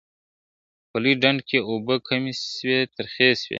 په لوی ډنډ کي اوبه کمي سوې ترخې سوې `